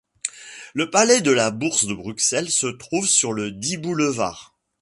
Le Palais de la Bourse de Bruxelles se trouve sur le dit boulevard.